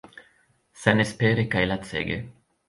Senespere kaj lacege.